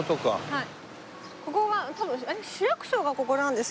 はい。